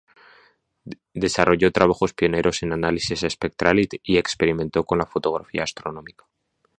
Desarrolló trabajos pioneros en análisis espectral, y experimentó con la fotografía astronómica.